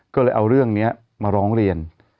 ก็เลยเอาเรื่องนี้มาร้องเรียน